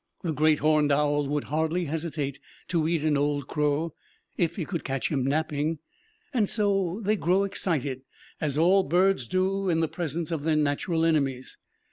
The great horned owl would hardly hesitate to eat an old crow if he could catch him napping; and so they grow excited, as all birds do in the presence of their natural enemies.